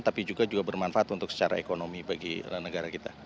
tapi juga bermanfaat untuk secara ekonomi bagi negara kita